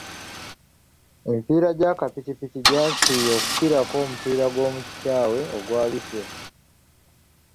Emipiira gy’akapikipiki gy’asiiya okukirako omupiira gw’omu kisaawe ogwabise.